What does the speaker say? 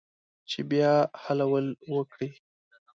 چې بیا حلول وکړي